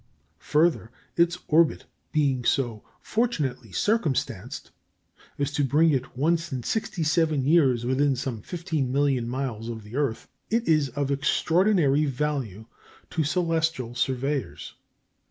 Further, its orbit being so fortunately circumstanced as to bring it once in sixty seven years within some 15 millions of miles of the earth, it is of extraordinary value to celestial surveyors.